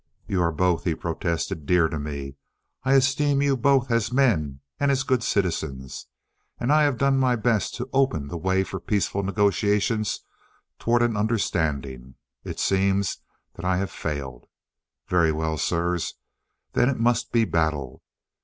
"You are both," he protested, "dear to me. I esteem you both as men and as good citizens. And I have done my best to open the way for peaceful negotiations toward an understanding. It seems that I have failed. Very well, sirs. Then it must be battle.